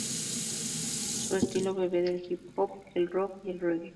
Su estilo bebe del hip-hop, el rock y el reggae.